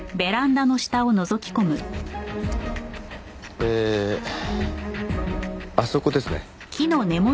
えあそこですね。